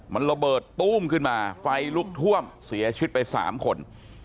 มันระเบิดตู้มขึ้นมาไฟลุกท่วมเสียชีวิตไป๓คน